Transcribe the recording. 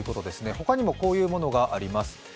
他にもこういうものがあります。